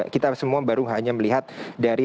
kita semua baru hanya melihat dari